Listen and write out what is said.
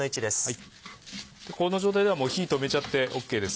この状態ではもう火止めちゃってＯＫです。